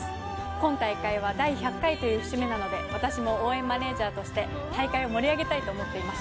今大会は第１００回という節目なので、私も応援マネジャーとして大会を盛り上げたいと思っています。